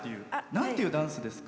なんていうダンスですか？